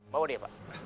bawa dia pak